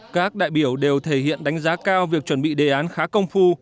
các đại biểu đều thể hiện đánh giá cao việc chuẩn bị đề án khá công phu